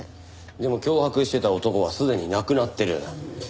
でも脅迫してた男はすでに亡くなってる。